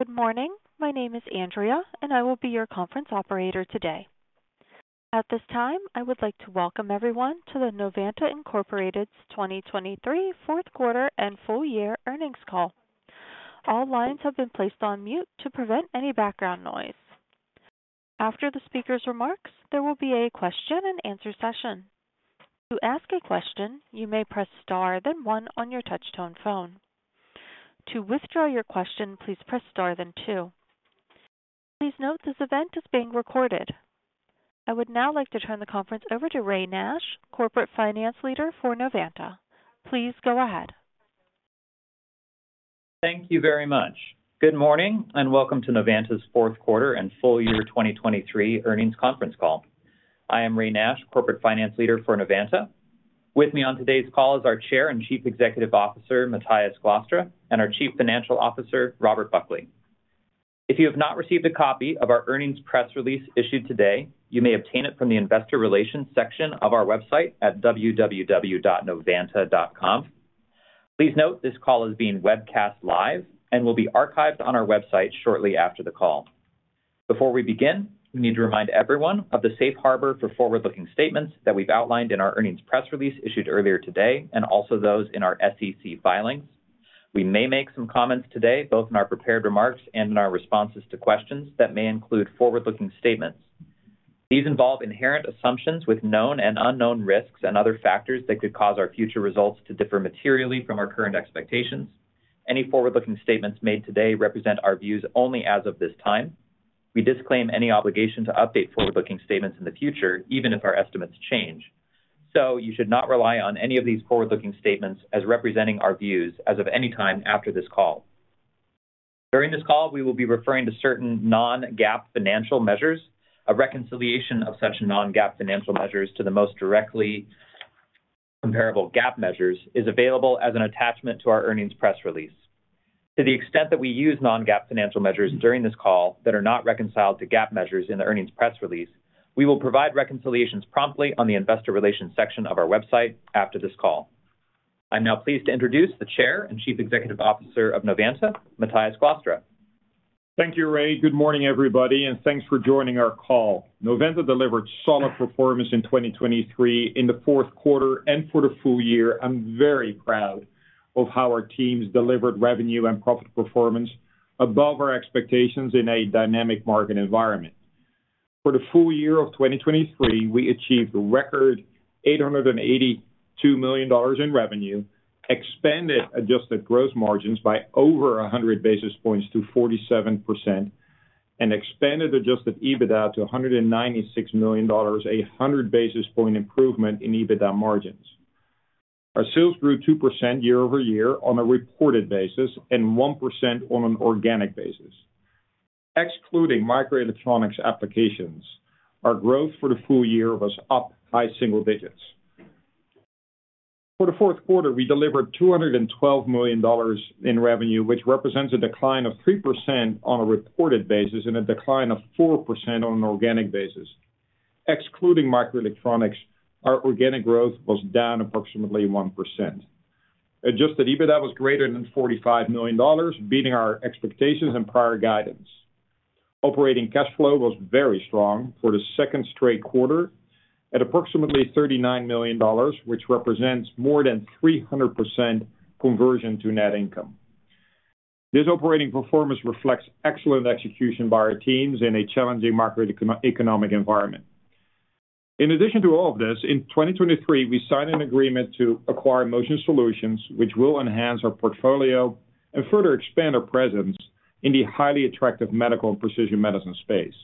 Good morning. My name is Andrea, and I will be your conference operator today. At this time, I would like to welcome everyone to the Novanta Incorporated's 2023 fourth quarter and full-year earnings call. All lines have been placed on mute to prevent any background noise. After the speaker's remarks, there will be a question-and-answer session. To ask a question, you may press star, then one on your touch-tone phone. To withdraw your question, please press star, then two. Please note this event is being recorded. I would now like to turn the conference over to Ray Nash, Corporate Finance Leader for Novanta. Please go ahead. Thank you very much. Good morning and welcome to Novanta's fourth quarter and full-year 2023 earnings conference call. I am Ray Nash, Corporate Finance Leader for Novanta. With me on today's call is our Chair and Chief Executive Officer, Matthijs Glastra, and our Chief Financial Officer, Robert Buckley. If you have not received a copy of our earnings press release issued today, you may obtain it from the Investor Relations section of our website at www.novanta.com. Please note this call is being webcast live and will be archived on our website shortly after the call. Before we begin, we need to remind everyone of the safe harbor for forward-looking statements that we've outlined in our earnings press release issued earlier today and also those in our SEC filings. We may make some comments today, both in our prepared remarks and in our responses to questions that may include forward-looking statements. These involve inherent assumptions with known and unknown risks and other factors that could cause our future results to differ materially from our current expectations. Any forward-looking statements made today represent our views only as of this time. We disclaim any obligation to update forward-looking statements in the future, even if our estimates change. So you should not rely on any of these forward-looking statements as representing our views as of any time after this call. During this call, we will be referring to certain non-GAAP financial measures. A reconciliation of such non-GAAP financial measures to the most directly comparable GAAP measures is available as an attachment to our earnings press release. To the extent that we use non-GAAP financial measures during this call that are not reconciled to GAAP measures in the earnings press release, we will provide reconciliations promptly on the Investor Relations section of our website after this call. I'm now pleased to introduce the Chair and Chief Executive Officer of Novanta, Matthijs Glastra. Thank you, Ray. Good morning, everybody, and thanks for joining our call. Novanta delivered solid performance in 2023 in the fourth quarter and for the full year. I'm very proud of how our teams delivered revenue and profit performance above our expectations in a dynamic market environment. For the full year of 2023, we achieved record $882 million in revenue, expanded adjusted gross margins by over 100 basis points to 47%, and expanded adjusted EBITDA to $196 million, a 100 basis point improvement in EBITDA margins. Our sales grew 2% year-over-year on a reported basis and 1% on an organic basis. Excluding microelectronics applications, our growth for the full year was up high single digits. For the fourth quarter, we delivered $212 million in revenue, which represents a decline of 3% on a reported basis and a decline of 4% on an organic basis. Excluding microelectronics, our organic growth was down approximately 1%. Adjusted EBITDA was greater than $45 million, beating our expectations and prior guidance. Operating cash flow was very strong for the second straight quarter at approximately $39 million, which represents more than 300% conversion to net income. This operating performance reflects excellent execution by our teams in a challenging macroeconomic environment. In addition to all of this, in 2023, we signed an agreement to acquire Motion Solutions, which will enhance our portfolio and further expand our presence in the highly attractive medical and precision medicine space.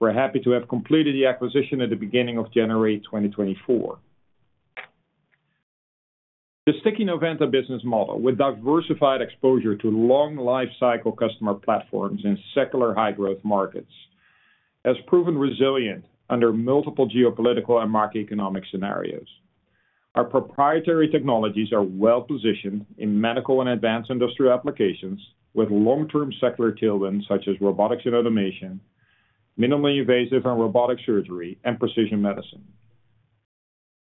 We're happy to have completed the acquisition at the beginning of January 2024. The sticky Novanta business model with diversified exposure to long-life cycle customer platforms in secular high-growth markets has proven resilient under multiple geopolitical and macroeconomic scenarios. Our proprietary technologies are well-positioned in medical and advanced industrial applications with long-term secular tailwinds such as robotics and automation, minimally invasive and robotic surgery, and precision medicine.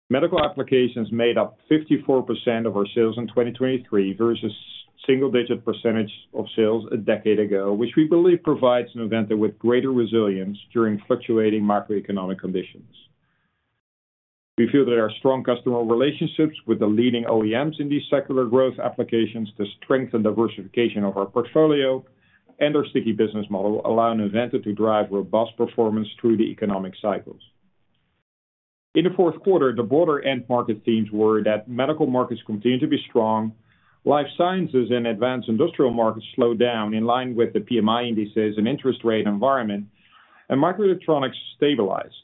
Medical applications made up 54% of our sales in 2023 versus a single-digit percentage of sales a decade ago, which we believe provides Novanta with greater resilience during fluctuating macroeconomic conditions. We feel that our strong customer relationships with the leading OEMs in these secular growth applications to strengthen diversification of our portfolio and our sticky business model allow Novanta to drive robust performance through the economic cycles. In the fourth quarter, the broader end-market themes were that medical markets continue to be strong, life sciences and advanced industrial markets slowed down in line with the PMI indices and interest rate environment, and microelectronics stabilized.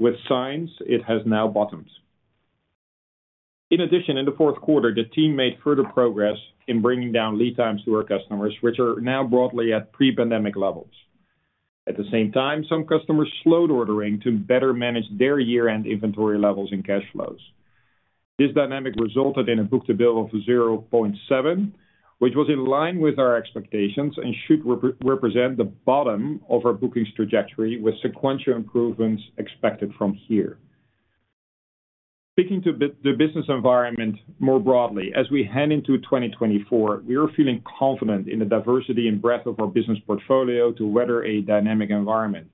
Life sciences, it has now bottomed. In addition, in the fourth quarter, the team made further progress in bringing down lead times to our customers, which are now broadly at pre-pandemic levels. At the same time, some customers slowed ordering to better manage their year-end inventory levels and cash flows. This dynamic resulted in a book-to-bill of 0.7, which was in line with our expectations and should represent the bottom of our bookings trajectory with sequential improvements expected from here. Speaking to the business environment more broadly, as we head into 2024, we are feeling confident in the diversity and breadth of our business portfolio to weather a dynamic environment.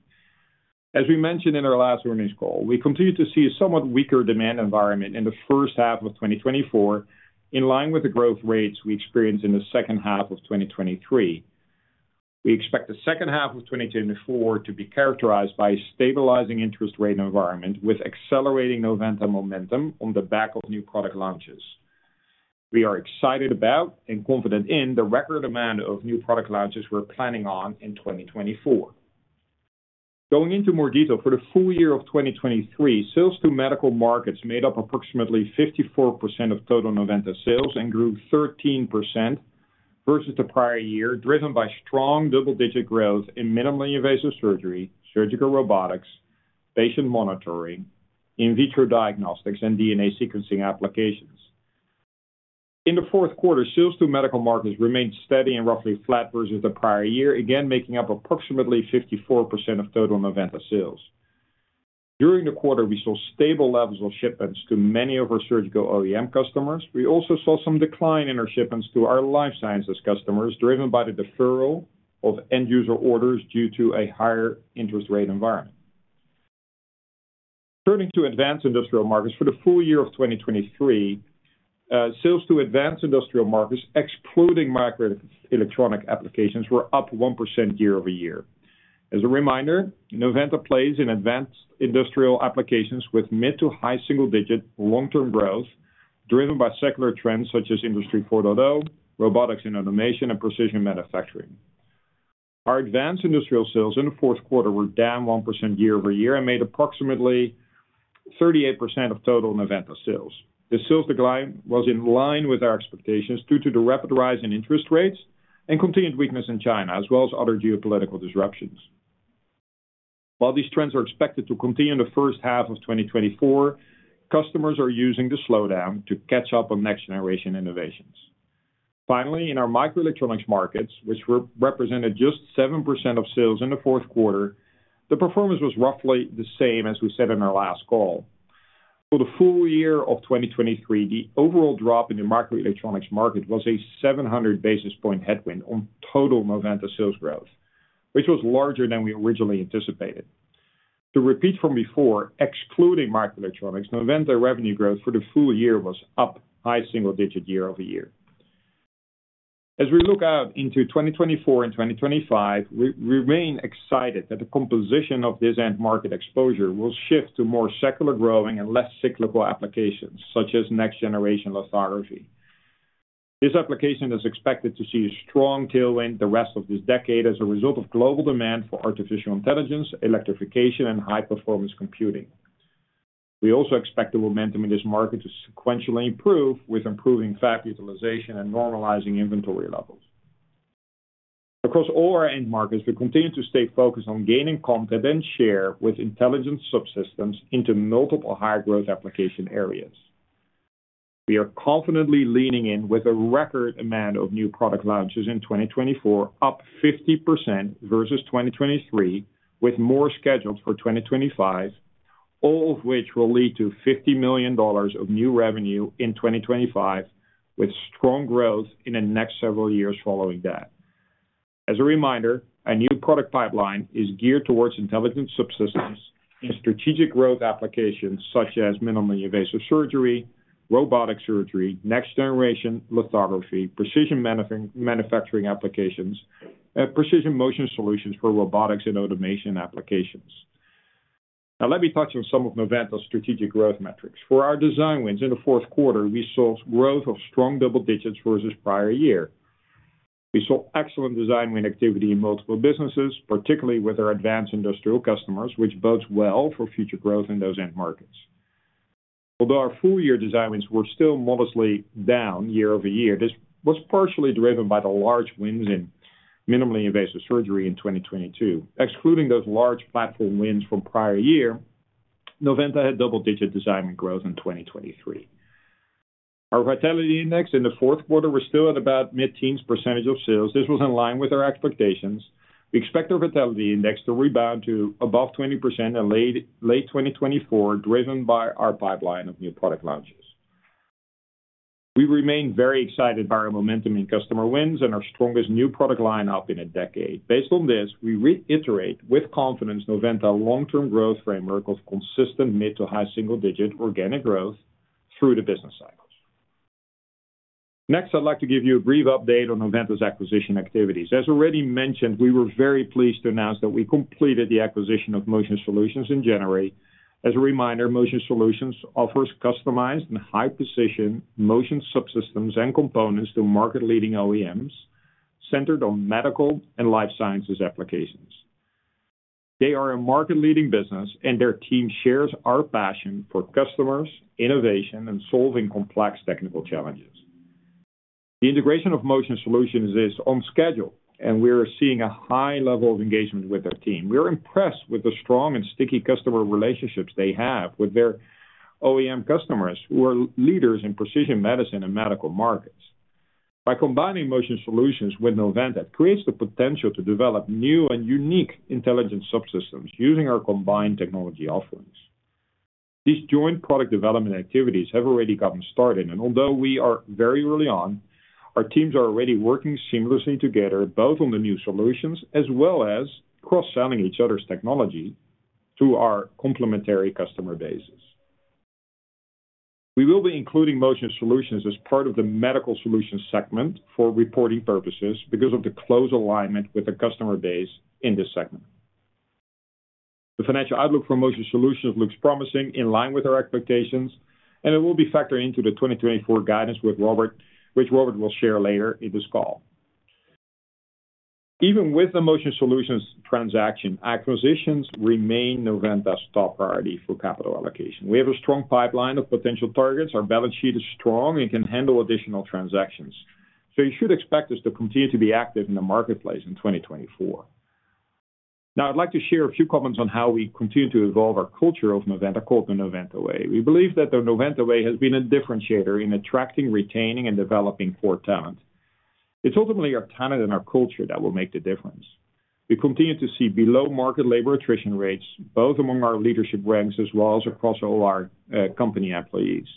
As we mentioned in our last earnings call, we continue to see a somewhat weaker demand environment in the first half of 2024 in line with the growth rates we experienced in the second half of 2023. We expect the second half of 2024 to be characterized by a stabilizing interest rate environment with accelerating Novanta momentum on the back of new product launches. We are excited about and confident in the record demand of new product launches we're planning on in 2024. Going into more detail, for the full year of 2023, sales to medical markets made up approximately 54% of total Novanta sales and grew 13% versus the prior year, driven by strong double-digit minimally invasive surgery, surgical robotics, patient monitoring, in vitro diagnostics, and DNA sequencing applications. In the fourth quarter, sales to medical markets remained steady and roughly flat versus the prior year, again making up approximately 54% of total Novanta sales. During the quarter, we saw stable levels of shipments to many of our surgical OEM customers. We also saw some decline in our shipments to our life sciences customers, driven by the deferral of end-user orders due to a higher interest rate environment. Turning to advanced industrial markets, for the full year of 2023, sales to advanced industrial markets, excluding microelectronic applications, were up 1% year-over-year. As a reminder, Novanta plays in advanced industrial applications with mid to high single-digit long-term growth driven by secular trends such as Industry 4.0, robotics and automation, and precision manufacturing. Our advanced industrial sales in the fourth quarter were down 1% year-over-year and made approximately 38% of total Novanta sales. This sales decline was in line with our expectations due to the rapid rise in interest rates and continued weakness in China, as well as other geopolitical disruptions. While these trends are expected to continue in the first half of 2024, customers are using the slowdown to catch up on next-generation innovations. Finally, in our microelectronics markets, which represented just 7% of sales in the fourth quarter, the performance was roughly the same as we said in our last call. For the full year of 2023, the overall drop in the microelectronics market was a 700 basis point headwind on total Novanta sales growth, which was larger than we originally anticipated. To repeat from before, excluding microelectronics, Novanta revenue growth for the full year was up high single-digit year-over-year. As we look out into 2024 and 2025, we remain excited that the composition of this end-market exposure will shift to more secular growing and less cyclical applications such as next-generation lithography. This application is expected to see a strong tailwind the rest of this decade as a result of global demand for artificial intelligence, electrification, and high-performance computing. We also expect the momentum in this market to sequentially improve with improving fab utilization and normalizing inventory levels. Across all our end markets, we continue to stay focused on gaining competent share with intelligent subsystems into multiple high-growth application areas. We are confidently leaning in with a record demand of new product launches in 2024, up 50% versus 2023, with more scheduled for 2025, all of which will lead to $50 million of new revenue in 2025 with strong growth in the next several years following that. As a reminder, a new product pipeline is geared towards intelligent subsystems in strategic growth applications minimally invasive surgery, robotic surgery, next-generation lithography, precision manufacturing applications, and precision motion solutions for robotics and automation applications. Now, let me touch on some of Novanta's strategic growth metrics. For our design wins in the fourth quarter, we saw growth of strong double digits versus prior year. We saw excellent design win activity in multiple businesses, particularly with our advanced industrial customers, which bodes well for future growth in those end markets. Although our full-year design wins were still modestly down year-over-year, this was partially driven by the large minimally invasive surgery in 2022. Excluding those large platform wins from prior year, Novanta had double-digit design win growth in 2023. Our Vitality Index in the fourth quarter was still at about mid-teens percent of sales. This was in line with our expectations. We expect our Vitality Index to rebound to above 20% in late 2024, driven by our pipeline of new product launches. We remain very excited by our momentum in customer wins and our strongest new product lineup in a decade. Based on this, we reiterate with confidence Novanta's long-term growth framework of consistent mid to high-single-digit organic growth through the business cycles. Next, I'd like to give you a brief update on Novanta's acquisition activities. As already mentioned, we were very pleased to announce that we completed the acquisition of Motion Solutions in January. As a reminder, Motion Solutions offers customized and high-precision motion subsystems and components to market-leading OEMs centered on medical and life sciences applications. They are a market-leading business, and their team shares our passion for customers, innovation, and solving complex technical challenges. The integration of Motion Solutions is on schedule, and we are seeing a high level of engagement with their team. We are impressed with the strong and sticky customer relationships they have with their OEM customers who are leaders in precision medicine and medical markets. By combining Motion Solutions with Novanta, it creates the potential to develop new and unique intelligent subsystems using our combined technology offerings. These joint product development activities have already gotten started, and although we are very early on, our teams are already working seamlessly together both on the new solutions as well as cross-selling each other's technology to our complementary customer bases. We will be including Motion Solutions as part of the medical solutions segment for reporting purposes because of the close alignment with the customer base in this segment. The financial outlook for Motion Solutions looks promising in line with our expectations, and it will be factored into the 2024 guidance with Robert, which Robert will share later in this call. Even with the Motion Solutions transaction, acquisitions remain Novanta's top priority for capital allocation. We have a strong pipeline of potential targets. Our balance sheet is strong and can handle additional transactions, so you should expect us to continue to be active in the marketplace in 2024. Now, I'd like to share a few comments on how we continue to evolve our culture of Novanta called the Novanta Way. We believe that the Novanta Way has been a differentiator in attracting, retaining, and developing core talent. It's ultimately our talent and our culture that will make the difference. We continue to see below-market labor attrition rates both among our leadership ranks as well as across all our company employees.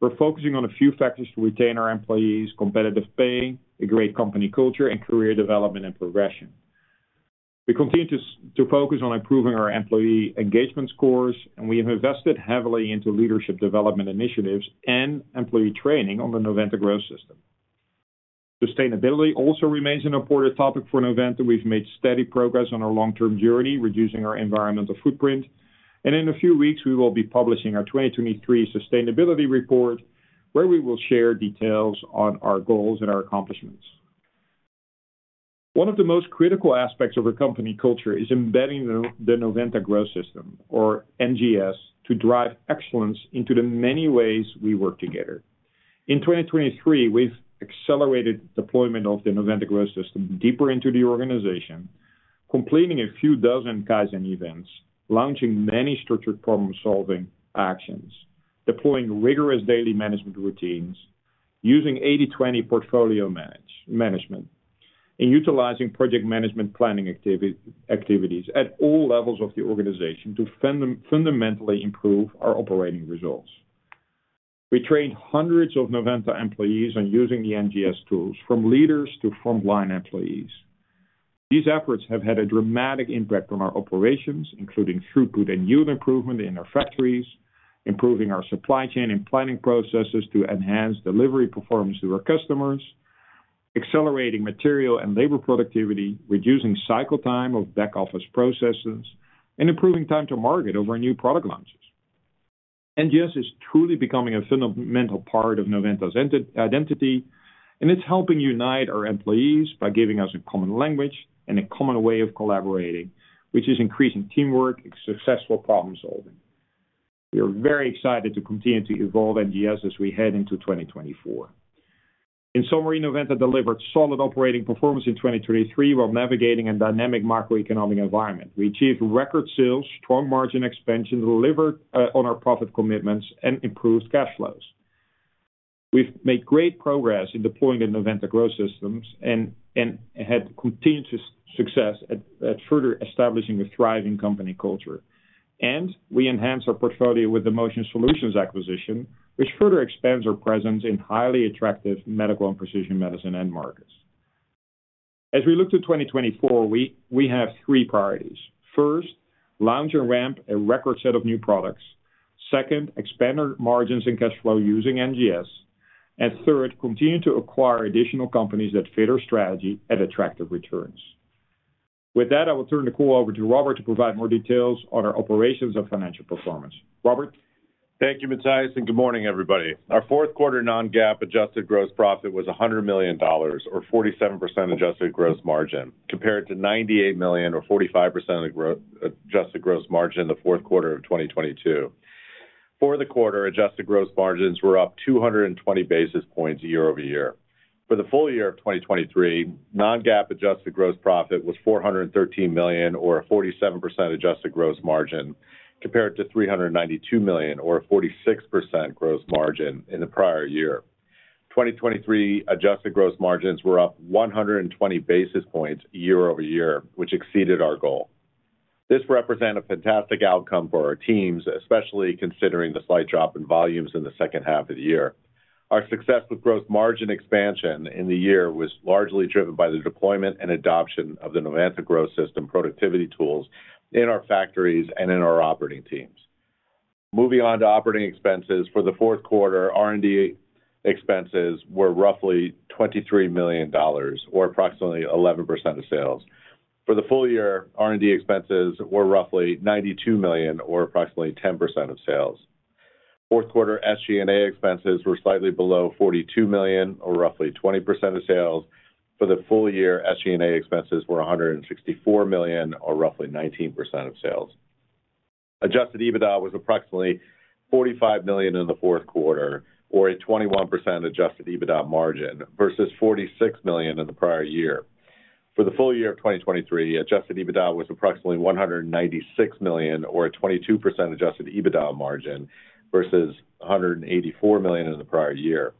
We're focusing on a few factors to retain our employees: competitive pay, a great company culture, and career development and progression. We continue to focus on improving our employee engagement scores, and we have invested heavily into leadership development initiatives and employee training on the Novanta Growth System. Sustainability also remains an important topic for Novanta. We've made steady progress on our long-term journey, reducing our environmental footprint. In a few weeks, we will be publishing our 2023 sustainability report, where we will share details on our goals and our accomplishments. One of the most critical aspects of our company culture is embedding the Novanta Growth System or NGS to drive excellence into the many ways we work together. In 2023, we've accelerated deployment of the Novanta Growth System deeper into the organization, completing a few dozen Kaizen events, launching many structured problem-solving actions, deploying rigorous daily management routines, using 80/20 portfolio management, and utilizing project management planning activities at all levels of the organization to fundamentally improve our operating results. We trained hundreds of Novanta employees on using the NGS tools, from leaders to frontline employees. These efforts have had a dramatic impact on our operations, including throughput and yield improvement in our factories, improving our supply chain and planning processes to enhance delivery performance to our customers, accelerating material and labor productivity, reducing cycle time of back-office processes, and improving time to market over new product launches. NGS is truly becoming a fundamental part of Novanta's identity, and it's helping unite our employees by giving us a common language and a common way of collaborating, which is increasing teamwork and successful problem-solving. We are very excited to continue to evolve NGS as we head into 2024. In summary, Novanta delivered solid operating performance in 2023 while navigating a dynamic macroeconomic environment. We achieved record sales, strong margin expansion delivered on our profit commitments, and improved cash flows. We've made great progress in deploying the Novanta Growth System and had continued success at further establishing a thriving company culture. We enhanced our portfolio with the Motion Solutions acquisition, which further expands our presence in highly attractive medical and precision medicine end markets. As we look to 2024, we have three priorities. First, launch and ramp a record set of new products. Second, expand our margins and cash flow using NGS. Third, continue to acquire additional companies that fit our strategy at attractive returns. With that, I will turn the call over to Robert to provide more details on our operations and financial performance. Robert. Thank you, Matthijs, and good morning, everybody. Our fourth-quarter non-GAAP adjusted gross profit was $100 million or 47% adjusted gross margin compared to $98 million or 45% of the adjusted gross margin in the fourth quarter of 2022. For the quarter, adjusted gross margins were up 220 basis points year-over-year. For the full year of 2023, non-GAAP adjusted gross profit was $413 million or a 47% adjusted gross margin compared to $392 million or a 46% gross margin in the prior year. 2023 adjusted gross margins were up 120 basis points year-over-year, which exceeded our goal. This represented a fantastic outcome for our teams, especially considering the slight drop in volumes in the second half of the year. Our success with gross margin expansion in the year was largely driven by the deployment and adoption of the Novanta Growth System productivity tools in our factories and in our operating teams. Moving on to operating expenses, for the fourth quarter, R&D expenses were roughly $23 million or approximately 11% of sales. For the full year, R&D expenses were roughly $92 million or approximately 10% of sales. Fourth-quarter SG&A expenses were slightly below $42 million or roughly 20% of sales. For the full year, SG&A expenses were $164 million or roughly 19% of sales. Adjusted EBITDA was approximately $45 million in the fourth quarter or a 21% adjusted EBITDA margin versus $46 million in the prior year. For the full year of 2023, adjusted EBITDA was approximately $196 million or a 22% adjusted EBITDA margin versus $184 million in the prior year.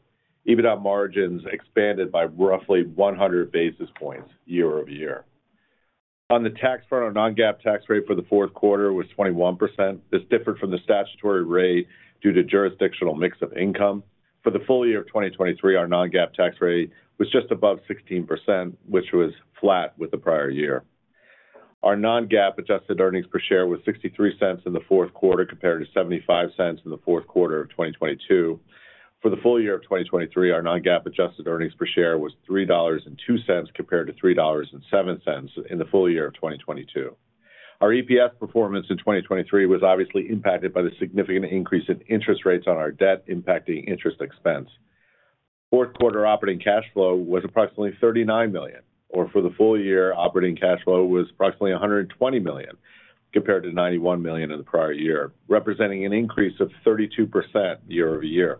EBITDA margins expanded by roughly 100 basis points year-over-year. On the tax front, our non-GAAP tax rate for the fourth quarter was 21%. This differed from the statutory rate due to jurisdictional mix of income. For the full year of 2023, our non-GAAP tax rate was just above 16%, which was flat with the prior year. Our non-GAAP adjusted earnings per share was $0.63 in the fourth quarter compared to $0.75 in the fourth quarter of 2022. For the full year of 2023, our non-GAAP adjusted earnings per share was $3.02 compared to $3.07 in the full year of 2022. Our EPS performance in 2023 was obviously impacted by the significant increase in interest rates on our debt impacting interest expense. Fourth-quarter operating cash flow was approximately $39 million, or for the full year, operating cash flow was approximately $120 million compared to $91 million in the prior year, representing an increase of 32% year-over-year.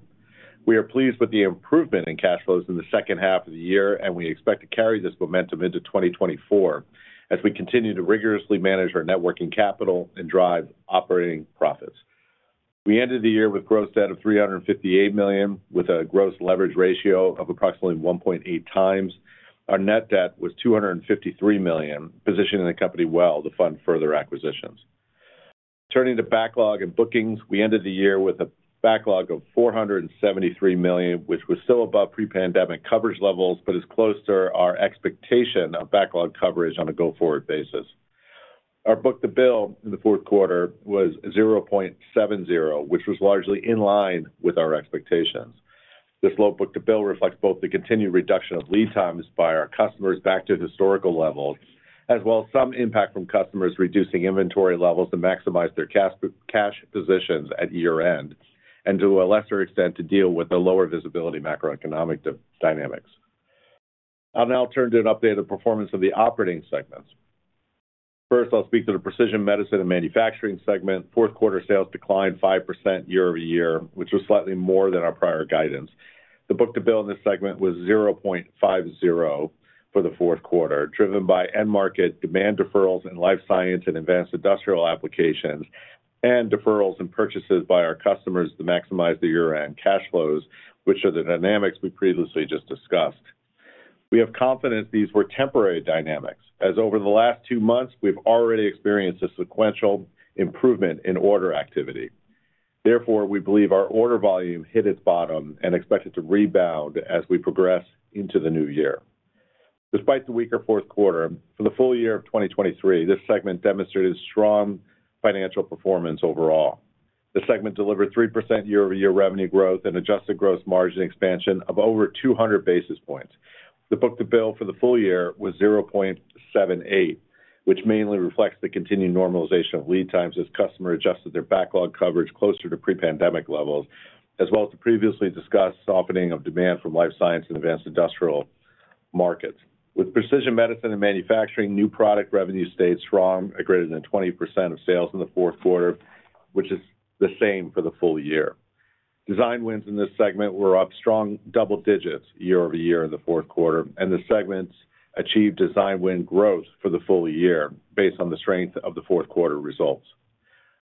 We are pleased with the improvement in cash flows in the second half of the year, and we expect to carry this momentum into 2024 as we continue to rigorously manage our working capital and drive operating profits. We ended the year with gross debt of $358 million with a gross leverage ratio of approximately 1.8x. Our net debt was $253 million, positioning the company well to fund further acquisitions. Turning to backlog and bookings, we ended the year with a backlog of $473 million, which was still above pre-pandemic coverage levels but is closer to our expectation of backlog coverage on a go-forward basis. Our book-to-bill in the fourth quarter was 0.70, which was largely in line with our expectations. This low book-to-bill reflects both the continued reduction of lead times by our customers back to historical levels as well as some impact from customers reducing inventory levels to maximize their cash positions at year-end and to a lesser extent to deal with the lower visibility macroeconomic dynamics. I'll now turn to an update of the performance of the operating segments. First, I'll speak to the precision medicine and manufacturing segment. Fourth-quarter sales declined 5% year-over-year, which was slightly more than our prior guidance. The book-to-bill in this segment was 0.50 for the fourth quarter, driven by end-market demand deferrals in life science and advanced industrial applications and deferrals and purchases by our customers to maximize the year-end cash flows, which are the dynamics we previously just discussed. We have confidence these were temporary dynamics, as over the last two months, we've already experienced a sequential improvement in order activity. Therefore, we believe our order volume hit its bottom and expect it to rebound as we progress into the new year. Despite the weaker fourth quarter, for the full year of 2023, this segment demonstrated strong financial performance overall. The segment delivered 3% year-over-year revenue growth and adjusted gross margin expansion of over 200 basis points. The book-to-bill for the full year was 0.78, which mainly reflects the continued normalization of lead times as customers adjusted their backlog coverage closer to pre-pandemic levels as well as the previously discussed softening of demand from life science and advanced industrial markets. With precision medicine and manufacturing, new product revenue stayed strong at greater than 20% of sales in the fourth quarter, which is the same for the full year. Design wins in this segment were up strong double digits year-over-year in the fourth quarter, and the segment achieved design win growth for the full year based on the strength of the fourth quarter results.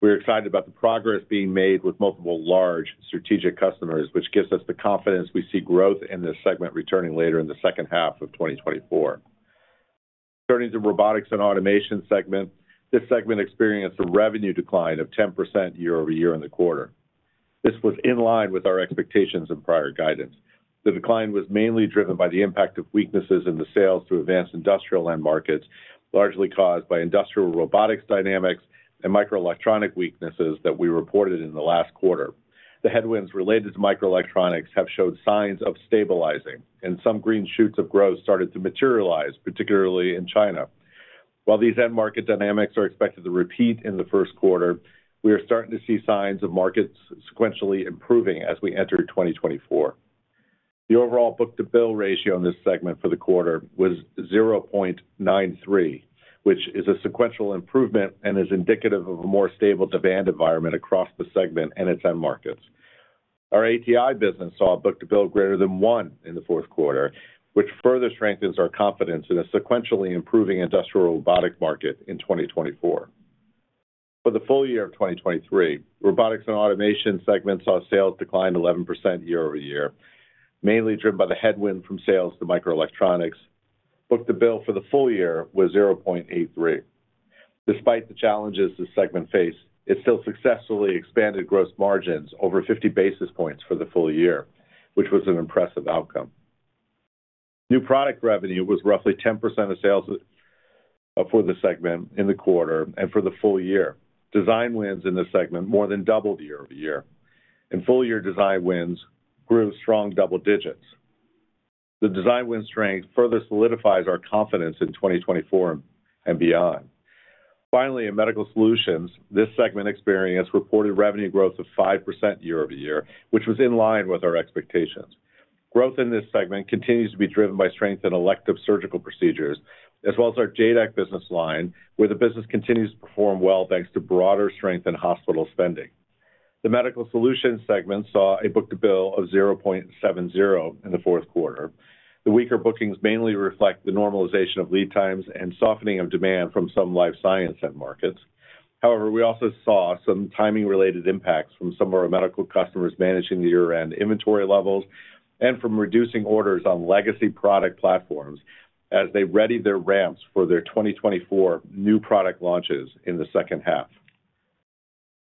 We're excited about the progress being made with multiple large strategic customers, which gives us the confidence we see growth in this segment returning later in the second half of 2024. Turning to the robotics and automation segment, this segment experienced a revenue decline of 10% year-over-year in the quarter. This was in line with our expectations and prior guidance. The decline was mainly driven by the impact of weaknesses in the sales to advanced industrial end markets, largely caused by industrial robotics dynamics and microelectronics weaknesses that we reported in the last quarter. The headwinds related to microelectronics have showed signs of stabilizing, and some green shoots of growth started to materialize, particularly in China. While these end-market dynamics are expected to repeat in the first quarter, we are starting to see signs of markets sequentially improving as we enter 2024. The overall book-to-bill ratio in this segment for the quarter was 0.93, which is a sequential improvement and is indicative of a more stable demand environment across the segment and its end markets. Our ATI business saw a book-to-bill greater than one in the fourth quarter, which further strengthens our confidence in a sequentially improving industrial robotic market in 2024. For the full year of 2023, robotics and automation segment saw sales decline 11% year-over-year, mainly driven by the headwind from sales to microelectronics. Book-to-bill for the full year was 0.83. Despite the challenges the segment faced, it still successfully expanded gross margins over 50 basis points for the full year, which was an impressive outcome. New product revenue was roughly 10% of sales for the segment in the quarter and for the full year. Design wins in this segment more than doubled year-over-year. In full year, design wins grew strong double digits. The design win strength further solidifies our confidence in 2024 and beyond. Finally, in medical solutions, this segment experienced reported revenue growth of 5% year-over-year, which was in line with our expectations. Growth in this segment continues to be driven by strength in elective surgical procedures as well as our JADAK business line, where the business continues to perform well thanks to broader strength in hospital spending. The medical solutions segment saw a book-to-bill of 0.70 in the fourth quarter. The weaker bookings mainly reflect the normalization of lead times and softening of demand from some life science end markets. However, we also saw some timing-related impacts from some of our medical customers managing the year-end inventory levels and from reducing orders on legacy product platforms as they ready their ramps for their 2024 new product launches in the second half.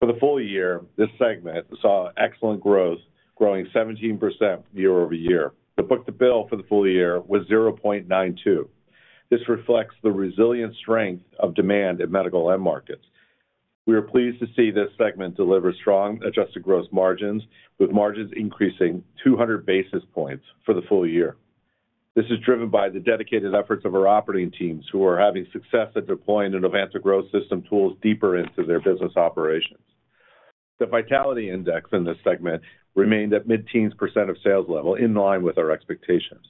For the full year, this segment saw excellent growth, growing 17% year-over-year. The book-to-bill for the full year was 0.92. This reflects the resilient strength of demand in medical end markets. We are pleased to see this segment deliver strong adjusted gross margins with margins increasing 200 basis points for the full year. This is driven by the dedicated efforts of our operating teams who are having success at deploying the Novanta Growth System tools deeper into their business operations. The Vitality Index in this segment remained at mid-teens percent of sales level, in line with our expectations.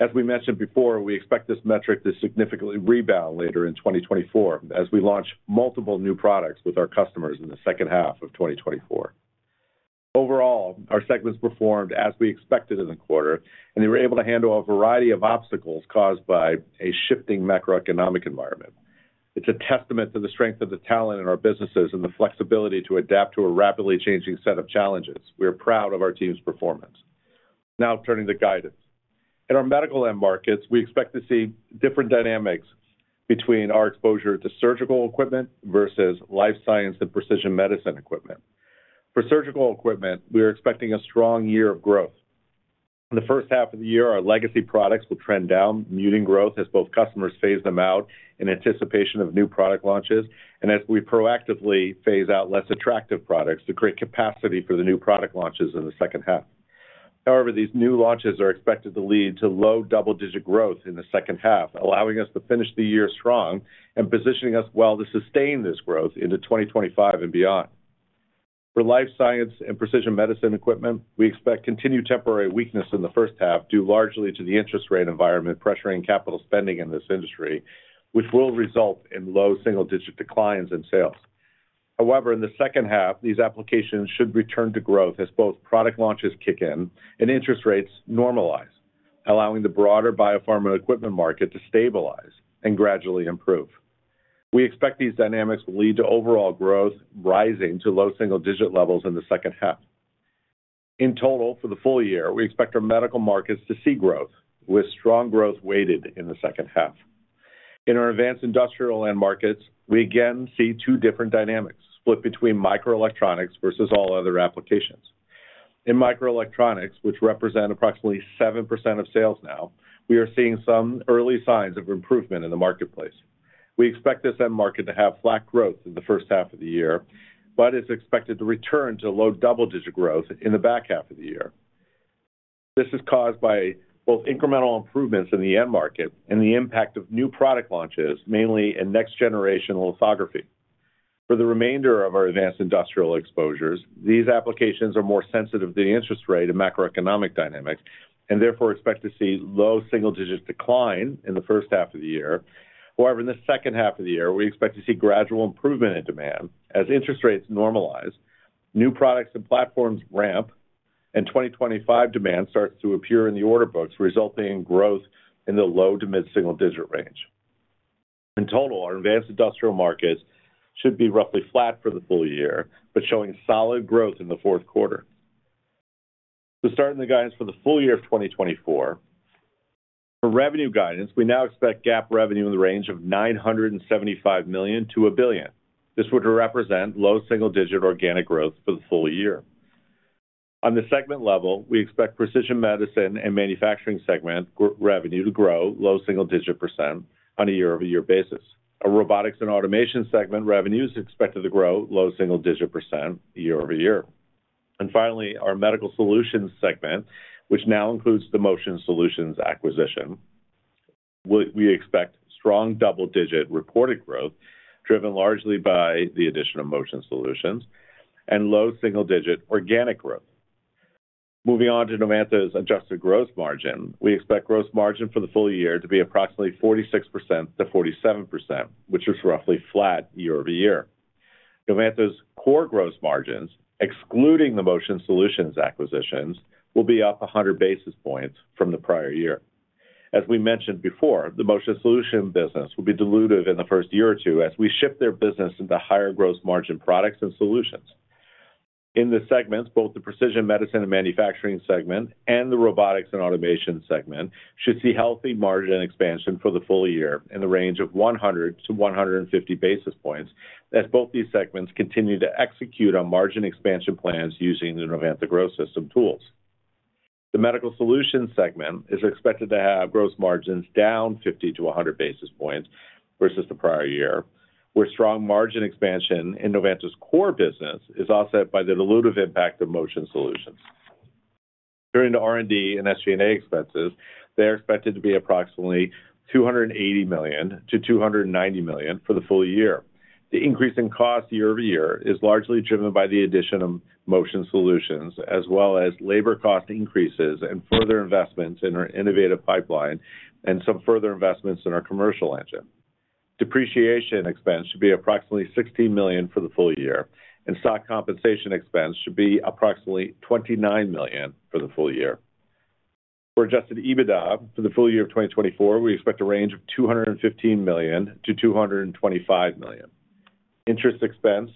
As we mentioned before, we expect this metric to significantly rebound later in 2024 as we launch multiple new products with our customers in the second half of 2024. Overall, our segments performed as we expected in the quarter, and they were able to handle a variety of obstacles caused by a shifting macroeconomic environment. It's a testament to the strength of the talent in our businesses and the flexibility to adapt to a rapidly changing set of challenges. We are proud of our team's performance. Now, turning to guidance. In our medical end markets, we expect to see different dynamics between our exposure to surgical equipment versus life science and precision medicine equipment. For surgical equipment, we are expecting a strong year of growth. In the first half of the year, our legacy products will trend down, muting growth as both customers phase them out in anticipation of new product launches and as we proactively phase out less attractive products to create capacity for the new product launches in the second half. However, these new launches are expected to lead to low double-digit growth in the second half, allowing us to finish the year strong and positioning us well to sustain this growth into 2025 and beyond. For life science and precision medicine equipment, we expect continued temporary weakness in the first half due largely to the interest rate environment pressuring capital spending in this industry, which will result in low single-digit declines in sales. However, in the second half, these applications should return to growth as both product launches kick in and interest rates normalize, allowing the broader biopharma equipment market to stabilize and gradually improve. We expect these dynamics will lead to overall growth rising to low single-digit levels in the second half. In total, for the full year, we expect our medical markets to see growth, with strong growth weighted in the second half. In our advanced industrial end markets, we again see two different dynamics split between microelectronics versus all other applications. In microelectronics, which represent approximately 7% of sales now, we are seeing some early signs of improvement in the marketplace. We expect this end market to have flat growth in the first half of the year, but it's expected to return to low double-digit growth in the back half of the year. This is caused by both incremental improvements in the end market and the impact of new product launches, mainly in next-generation lithography. For the remainder of our advanced industrial exposures, these applications are more sensitive to the interest rate and macroeconomic dynamics and therefore expect to see low single-digit decline in the first half of the year. However, in the second half of the year, we expect to see gradual improvement in demand as interest rates normalize, new products and platforms ramp, and 2025 demand starts to appear in the order books, resulting in growth in the low to mid-single-digit range. In total, our advanced industrial markets should be roughly flat for the full year but showing solid growth in the fourth quarter. To start in the guidance for the full year of 2024, for revenue guidance, we now expect GAAP revenue in the range of $975 million-$1 billion. This would represent low single-digit organic growth for the full year. On the segment level, we expect precision medicine and manufacturing segment revenue to grow low single-digit percent on a year-over-year basis. Our robotics and automation segment revenues are expected to grow low single-digit percent year-over-year. And finally, our medical solutions segment, which now includes the Motion Solutions acquisition, we expect strong double-digit reported growth driven largely by the addition of Motion Solutions and low single-digit organic growth. Moving on to Novanta's adjusted gross margin, we expect gross margin for the full year to be approximately 46%-47%, which is roughly flat year-over-year. Novanta's core gross margins, excluding the Motion Solutions acquisitions, will be up 100 basis points from the prior year. As we mentioned before, the Motion Solutions business will be dilutive in the first year or two as we shift their business into higher gross margin products and solutions. In the segments, both the precision medicine and manufacturing segment and the robotics and automation segment should see healthy margin expansion for the full year in the range of 100-150 basis points as both these segments continue to execute on margin expansion plans using the Novanta Growth System tools. The medical solutions segment is expected to have gross margins down 50-100 basis points versus the prior year, where strong margin expansion in Novanta's core business is offset by the dilutive impact of Motion Solutions. Turning to R&D and SG&A expenses, they are expected to be approximately $280 million-$290 million for the full year. The increase in cost year-over-year is largely driven by the addition of Motion Solutions as well as labor cost increases and further investments in our innovative pipeline and some further investments in our commercial engine. Depreciation expense should be approximately $16 million for the full year, and stock compensation expense should be approximately $29 million for the full year. For adjusted EBITDA for the full year of 2024, we expect a range of $215 million-$225 million. Interest expense,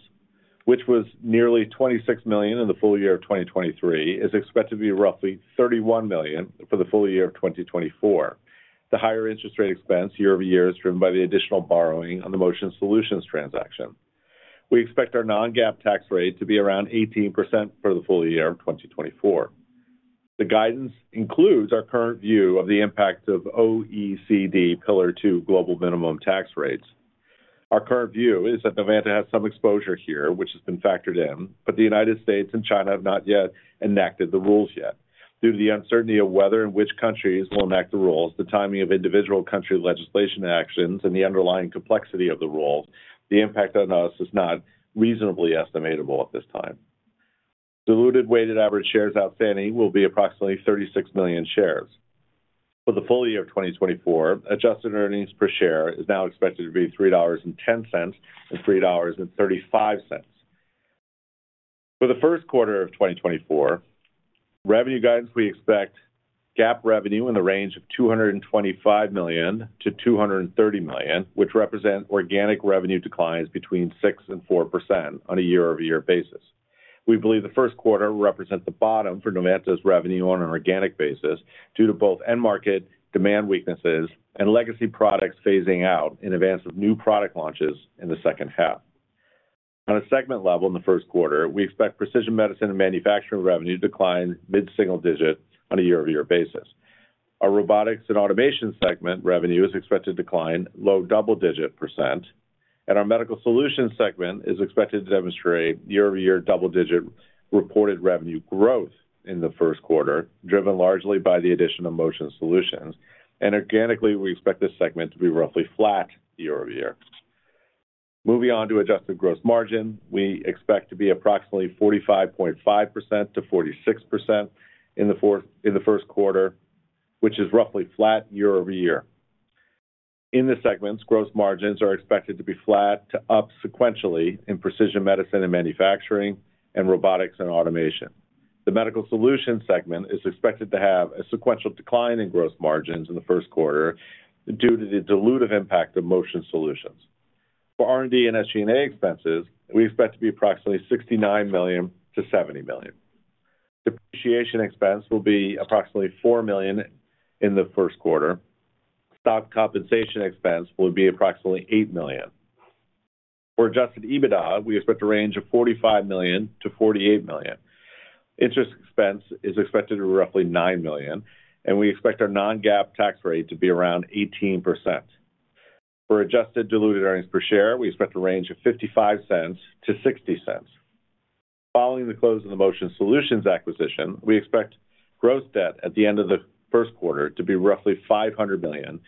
which was nearly $26 million in the full year of 2023, is expected to be roughly $31 million for the full year of 2024. The higher interest rate expense year-over-year is driven by the additional borrowing on the Motion Solutions transaction. We expect our non-GAAP tax rate to be around 18% for the full year of 2024. The guidance includes our current view of the impact of OECD Pillar Two global minimum tax rates. Our current view is that Novanta has some exposure here, which has been factored in, but the United States and China have not yet enacted the rules yet. Due to the uncertainty of whether and which countries will enact the rules, the timing of individual country legislation actions, and the underlying complexity of the rules, the impact on us is not reasonably estimatable at this time. Diluted weighted average shares outstanding will be approximately 36 million shares. For the full year of 2024, adjusted earnings per share is now expected to be $3.10-$3.35. For the first quarter of 2024, revenue guidance, we expect GAAP revenue in the range of $225 million-$230 million, which represent organic revenue declines between 6% and 4% on a year-over-year basis. We believe the first quarter represents the bottom for Novanta's revenue on an organic basis due to both end market demand weaknesses and legacy products phasing out in advance of new product launches in the second half. On a segment level in the first quarter, we expect precision medicine and manufacturing revenue to decline mid-single digit on a year-over-year basis. Our robotics and automation segment revenue is expected to decline low double-digit percent, and our medical solutions segment is expected to demonstrate year-over-year double-digit reported revenue growth in the first quarter, driven largely by the addition of Motion Solutions. Organically, we expect this segment to be roughly flat year-over-year. Moving on to adjusted gross margin, we expect to be approximately 45.5%-46% in the first quarter, which is roughly flat year-over-year. In the segments, gross margins are expected to be flat to up sequentially in precision medicine and manufacturing and robotics and automation. The medical solutions segment is expected to have a sequential decline in gross margins in the first quarter due to the dilutive impact of Motion Solutions. For R&D and SG&A expenses, we expect to be approximately $69 million-$70 million. Depreciation expense will be approximately $4 million in the first quarter. Stock compensation expense will be approximately $8 million. For adjusted EBITDA, we expect to range of $45 million-$48 million. Interest expense is expected to be roughly $9 million, and we expect our non-GAAP tax rate to be around 18%. For adjusted diluted earnings per share, we expect a range of $0.55-$0.60. Following the close of the Motion Solutions acquisition, we expect gross debt at the end of the first quarter to be roughly $500 million,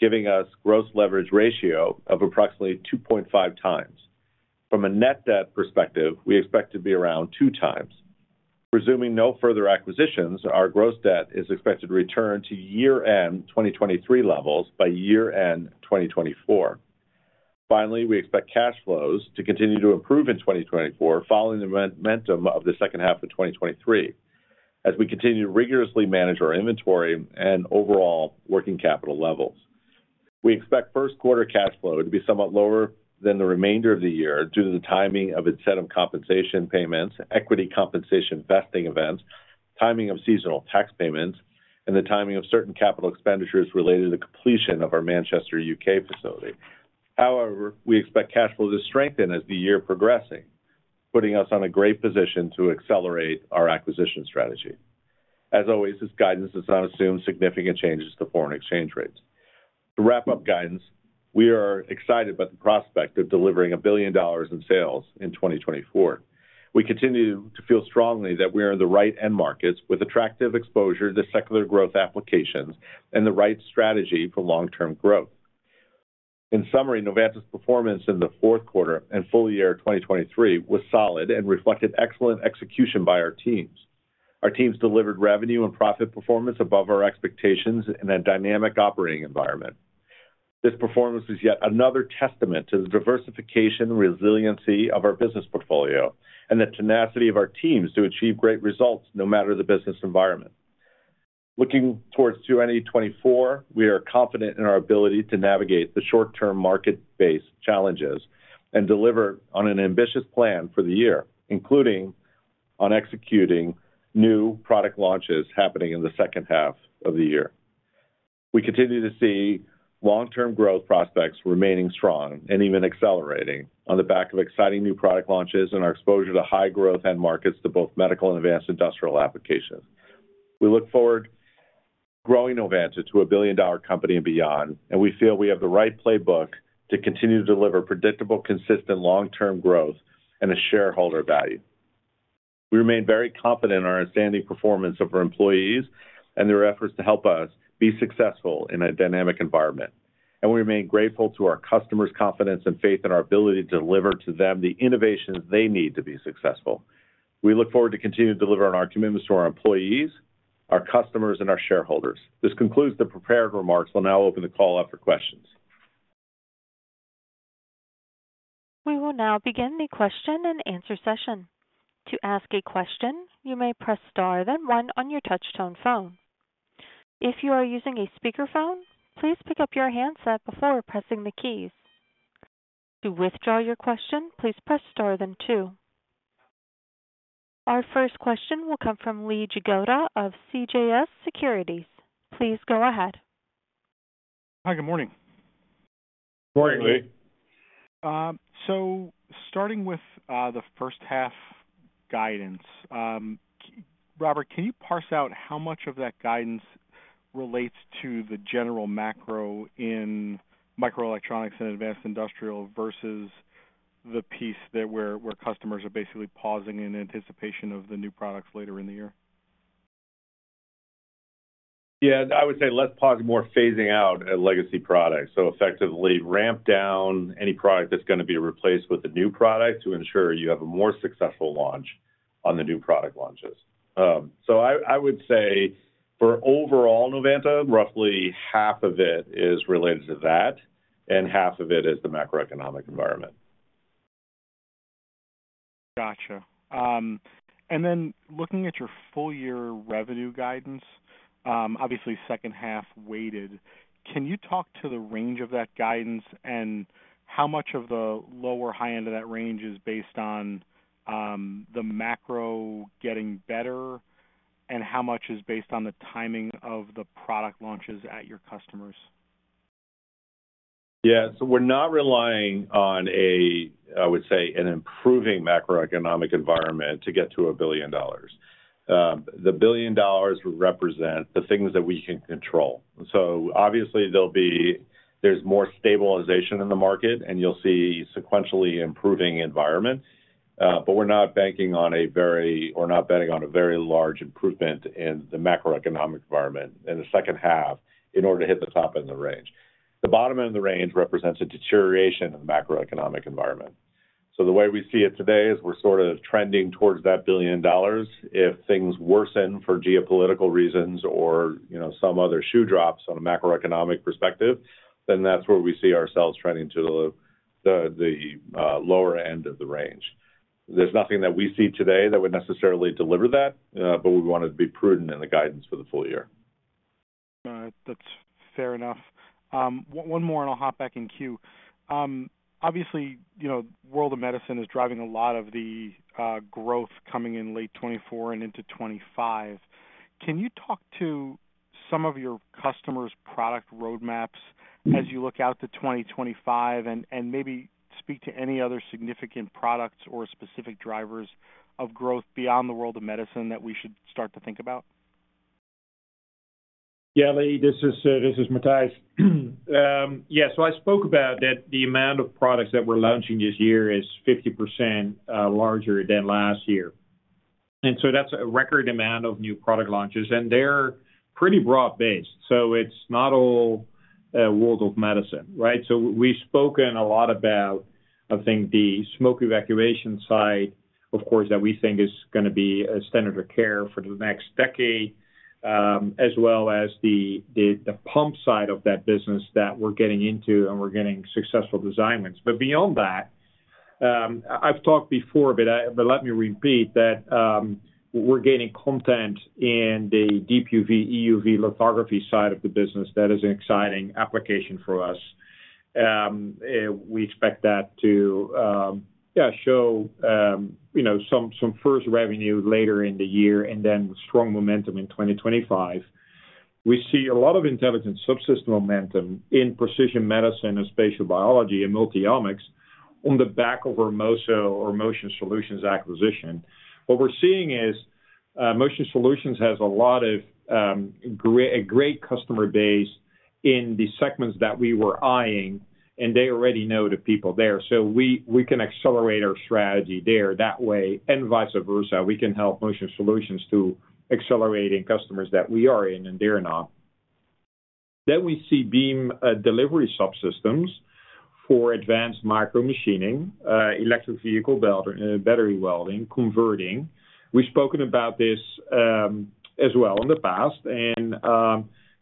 giving us a gross leverage ratio of approximately 2.5x. From a net debt perspective, we expect to be around 2x. Presuming no further acquisitions, our gross debt is expected to return to year-end 2023 levels by year-end 2024. Finally, we expect cash flows to continue to improve in 2024 following the momentum of the second half of 2023 as we continue to rigorously manage our inventory and overall working capital levels. We expect first quarter cash flow to be somewhat lower than the remainder of the year due to the timing of incentive compensation payments, equity compensation vesting events, timing of seasonal tax payments, and the timing of certain capital expenditures related to the completion of our Manchester, U.K. facility. However, we expect cash flow to strengthen as the year progressing, putting us in a great position to accelerate our acquisition strategy. As always, this guidance does not assume significant changes to foreign exchange rates. To wrap up guidance, we are excited about the prospect of delivering $1 billion in sales in 2024. We continue to feel strongly that we are in the right end markets with attractive exposure to secular growth applications and the right strategy for long-term growth. In summary, Novanta's performance in the fourth quarter and full year 2023 was solid and reflected excellent execution by our teams. Our teams delivered revenue and profit performance above our expectations in a dynamic operating environment. This performance is yet another testament to the diversification and resiliency of our business portfolio and the tenacity of our teams to achieve great results no matter the business environment. Looking towards 2024, we are confident in our ability to navigate the short-term market-based challenges and deliver on an ambitious plan for the year, including on executing new product launches happening in the second half of the year. We continue to see long-term growth prospects remaining strong and even accelerating on the back of exciting new product launches and our exposure to high-growth end markets to both medical and advanced industrial applications. We look forward growing Novanta to a $1 billion company and beyond, and we feel we have the right playbook to continue to deliver predictable, consistent long-term growth and a shareholder value. We remain very confident in our outstanding performance of our employees and their efforts to help us be successful in a dynamic environment, and we remain grateful to our customers' confidence and faith in our ability to deliver to them the innovations they need to be successful. We look forward to continuing to deliver on our commitments to our employees, our customers, and our shareholders. This concludes the prepared remarks. We'll now open the call up for questions. We will now begin the question-and-answer session. To ask a question, you may press star then one on your touch-tone phone. If you are using a speakerphone, please pick up your handset before pressing the keys. To withdraw your question, please press star then two. Our first question will come from Lee Jagoda of CJS Securities. Please go ahead. Hi. Good morning. Morning, Lee. Starting with the first half guidance, Robert, can you parse out how much of that guidance relates to the general macro in microelectronics and advanced industrial versus the piece where customers are basically pausing in anticipation of the new products later in the year? Yeah. I would say less pausing, more phasing out legacy products. So effectively, ramp down any product that's going to be replaced with a new product to ensure you have a more successful launch on the new product launches. So I would say for overall Novanta, roughly half of it is related to that, and half of it is the macroeconomic environment. Gotcha. And then looking at your full-year revenue guidance, obviously second half weighted, can you talk to the range of that guidance and how much of the lower high end of that range is based on the macro getting better, and how much is based on the timing of the product launches at your customers? Yeah. So we're not relying on, I would say, an improving macroeconomic environment to get to $1 billion. The $1 billion represents the things that we can control. So obviously, there's more stabilization in the market, and you'll see sequentially improving environment. But we're not betting on a very large improvement in the macroeconomic environment in the second half in order to hit the top end of the range. The bottom end of the range represents a deterioration of the macroeconomic environment. So the way we see it today is we're sort of trending towards that $1 billion. If things worsen for geopolitical reasons or some other shoe drops on a macroeconomic perspective, then that's where we see ourselves trending to the lower end of the range. There's nothing that we see today that would necessarily deliver that, but we wanted to be prudent in the guidance for the full year. That's fair enough. One more, and I'll hop back in queue. Obviously, the world of medicine is driving a lot of the growth coming in late 2024 and into 2025. Can you talk to some of your customers' product roadmaps as you look out to 2025 and maybe speak to any other significant products or specific drivers of growth beyond the world of medicine that we should start to think about? Yeah, Lee. This is Matthijs. Yeah. So I spoke about that the amount of products that we're launching this year is 50% larger than last year. And so that's a record amount of new product launches, and they're pretty broad-based. So it's not all world of medicine, right? So we've spoken a lot about, I think, the smoke evacuation side, of course, that we think is going to be a standard of care for the next decade, as well as the pump side of that business that we're getting into, and we're getting successful design wins. But beyond that, I've talked before, but let me repeat that we're gaining content in the DUV/EUV lithography side of the business that is an exciting application for us. We expect that to show some first revenue later in the year and then strong momentum in 2025. We see a lot of intelligent subsystem momentum in precision medicine and spatial biology and multiomics on the back of our MOSO or Motion Solutions acquisition. What we're seeing is Motion Solutions has a lot of a great customer base in the segments that we were eyeing, and they already know the people there. So we can accelerate our strategy there that way and vice versa. We can help Motion Solutions to accelerate in customers that we are in and they're not. Then we see beam delivery subsystems for advanced micromachining, electric vehicle battery welding, converting. We've spoken about this as well in the past, and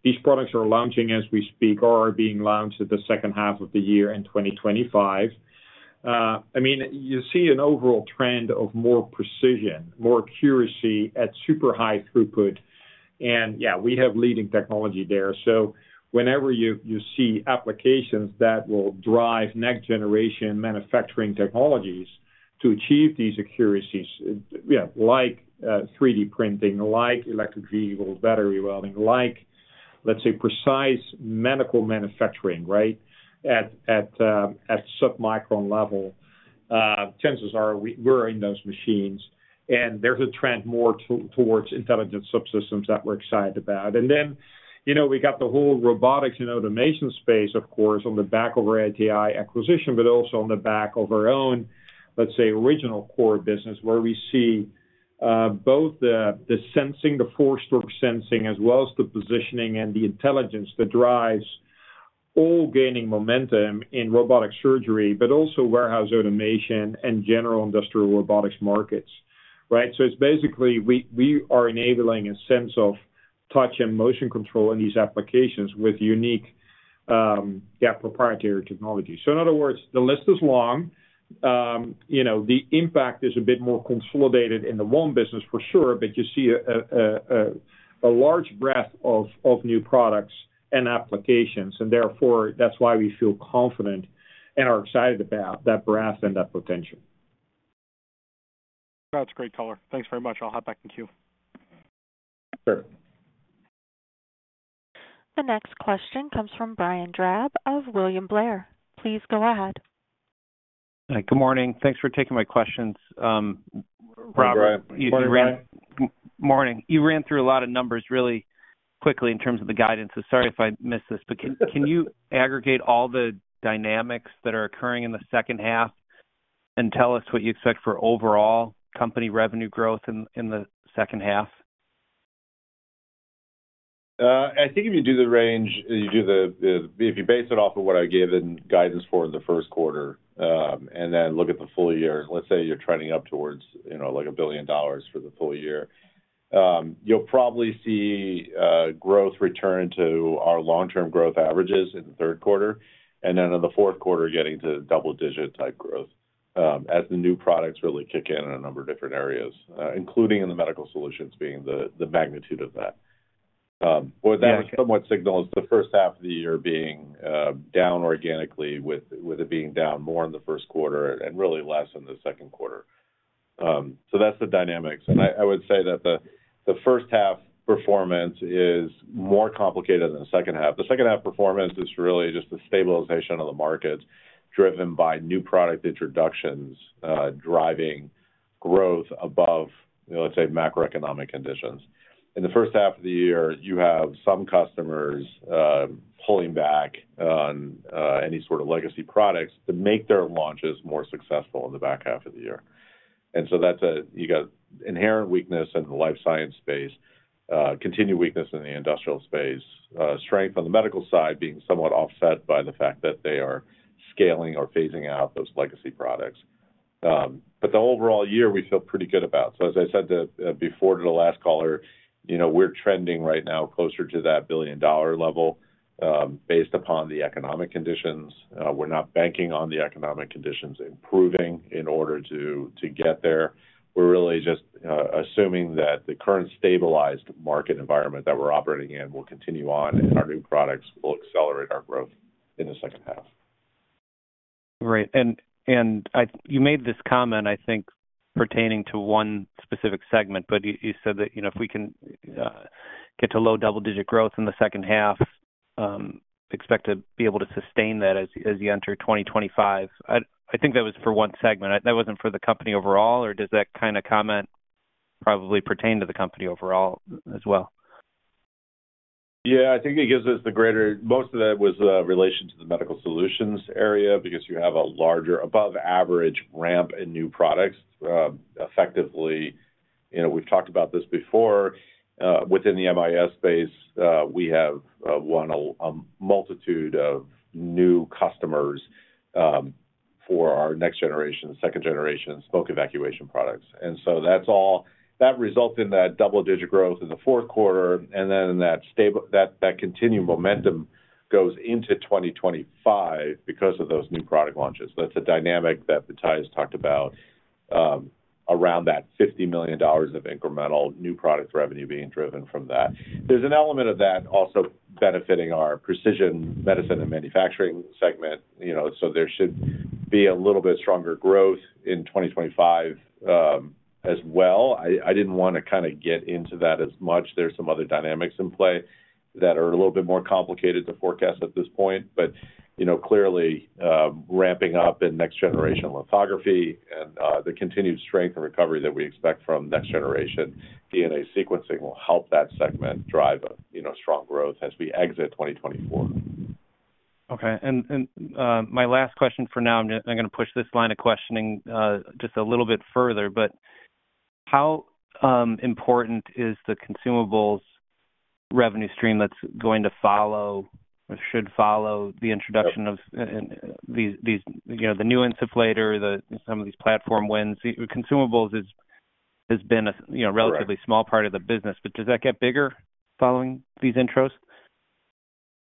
these products are launching as we speak or are being launched in the second half of the year in 2025. I mean, you see an overall trend of more precision, more accuracy at super high throughput. And yeah, we have leading technology there. So whenever you see applications that will drive next-generation manufacturing technologies to achieve these accuracies, like 3D printing, like electric vehicle battery welding, like, let's say, precise medical manufacturing, right, at sub-micron level, chances are we're in those machines. And there's a trend more towards intelligent subsystems that we're excited about. And then we got the whole robotics and automation space, of course, on the back of our ATI acquisition, but also on the back of our own, let's say, original core business where we see both the sensing, the force-torque sensing, as well as the positioning and the intelligence that drives all gaining momentum in robotic surgery, but also warehouse automation and general industrial robotics markets, right? So it's basically we are enabling a sense of touch and motion control in these applications with unique, yeah, proprietary technology. So in other words, the list is long. The impact is a bit more consolidated in the OEM business, for sure, but you see a large breadth of new products and applications. Therefore, that's why we feel confident and are excited about that breadth and that potential. That's great color. Thanks very much. I'll hop back in queue. Sure. The next question comes from Brian Drab of William Blair. Please go ahead. Hi. Good morning. Thanks for taking my questions. Robert, you ran through a lot of numbers really quickly in terms of the guidance. So sorry if I missed this, but can you aggregate all the dynamics that are occurring in the second half and tell us what you expect for overall company revenue growth in the second half? I think if you do the range, if you base it off of what I gave in guidance for the first quarter and then look at the full year—let's say you're trending up towards like $1 billion for the full year—you'll probably see growth return to our long-term growth averages in the third quarter, and then in the fourth quarter, getting to double-digit type growth as the new products really kick in in a number of different areas, including in the medical solutions being the magnitude of that. What that would somewhat signal is the first half of the year being down organically, with it being down more in the first quarter and really less in the second quarter. So that's the dynamics. And I would say that the first half performance is more complicated than the second half. The second half performance is really just a stabilization of the market driven by new product introductions driving growth above, let's say, macroeconomic conditions. In the first half of the year, you have some customers pulling back on any sort of legacy products to make their launches more successful in the back half of the year. And so you've got inherent weakness in the life science space, continued weakness in the industrial space, strength on the medical side being somewhat offset by the fact that they are scaling or phasing out those legacy products. But the overall year, we feel pretty good about. So as I said before to the last color, we're trending right now closer to that $1 billion level based upon the economic conditions. We're not banking on the economic conditions improving in order to get there. We're really just assuming that the current stabilized market environment that we're operating in will continue on, and our new products will accelerate our growth in the second half. Great. And you made this comment, I think, pertaining to one specific segment, but you said that if we can get to low double-digit growth in the second half, expect to be able to sustain that as you enter 2025. I think that was for one segment. That wasn't for the company overall, or does that kind of comment probably pertain to the company overall as well? Yeah. I think it gives us the greatest. Most of that was related to the medical solutions area because you have a larger above-average ramp in new products. Effectively, we've talked about this before. Within the MIS space, we have won a multitude of new customers for our next generation, second generation smoke evacuation products. And so that resulted in that double-digit growth in the fourth quarter, and then that continued momentum goes into 2025 because of those new product launches. That's a dynamic that Matthijs talked about around that $50 million of incremental new product revenue being driven from that. There's an element of that also benefiting our precision medicine and manufacturing segment. So there should be a little bit stronger growth in 2025 as well. I didn't want to kind of get into that as much. There's some other dynamics in play that are a little bit more complicated to forecast at this point. But clearly, ramping up in next-generation lithography and the continued strength and recovery that we expect from next-generation DNA sequencing will help that segment drive strong growth as we exit 2024. Okay. And my last question for now, I'm going to push this line of questioning just a little bit further. But how important is the consumables revenue stream that's going to follow or should follow the introduction of the new insufflator, some of these platform wins? Consumables has been a relatively small part of the business, but does that get bigger following these intros?